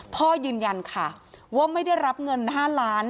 พ่อยืนยันค่ะว่าไม่ได้รับเงิน๕ล้าน